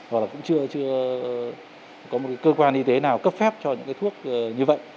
hoặc chưa có cơ quan y tế nào cấp phép cho những thuốc như vậy